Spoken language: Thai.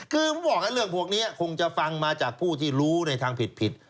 คือผมบอกเรื่องพวกนี้คงจะฟังมาจากผู้ที่รู้ในทางผิด